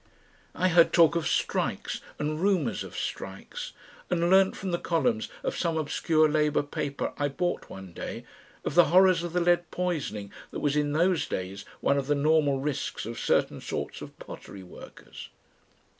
I heard talk of strikes and rumours of strikes, and learnt from the columns of some obscure labour paper I bought one day, of the horrors of the lead poisoning that was in those days one of the normal risks of certain sorts of pottery workers.